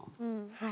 はい！